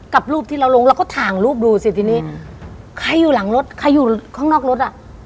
กับรูปที่เราลงเราก็ถ่ายรูปดูสิทีนี้ใครอยู่หลังรถใครอยู่ข้างนอกรถอ่ะ